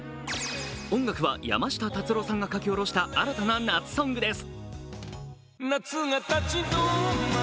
音楽は山下達郎さんが書き下ろした新たな夏ソングです。